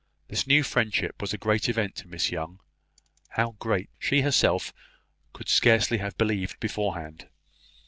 This new friendship was a great event to Miss Young; how great, she herself could scarcely have believed beforehand.